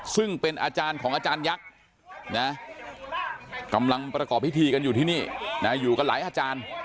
ซึ่งเป็นอาจารย์ของอาจารยักษ์นะกำลังประกอบพิธีกันอยู่ที่นี่อยู่กันหลายอาจารย์